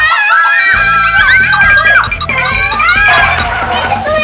ada setan di masjid